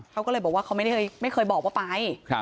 เขาก็เลยบอกว่าเขาไม่เคยบอกว่าไป